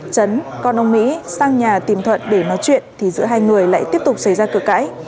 chấn con ông mỹ sang nhà tìm thuận để nói chuyện thì giữa hai người lại tiếp tục xảy ra cửa cãi